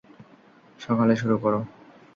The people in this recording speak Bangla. সকলে শুরু করো।